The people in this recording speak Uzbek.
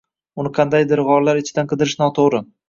Uni qandaydir gʻorlar ichidan qidirish noto'g`ri.